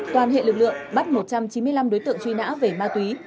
toàn hệ lực lượng bắt một trăm chín mươi năm đối tượng truy nã về ma túy